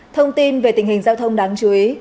thông tin về tình hình giao thông đáng chú ý